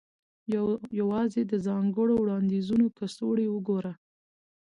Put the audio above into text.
یوازې د ځانګړو وړاندیزونو کڅوړې وګوره